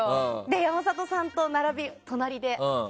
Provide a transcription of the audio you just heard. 山里さんと並び、隣で。